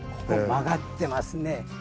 ここ曲がってますね。